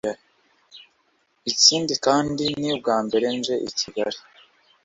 ikindi kandi ni ubwa mbere nje i kigali